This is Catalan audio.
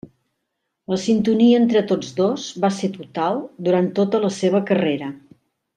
La sintonia entre tots dos va ser total durant tota la seva carrera.